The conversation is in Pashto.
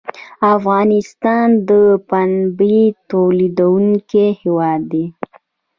افغانستان د پنبې تولیدونکی هیواد دی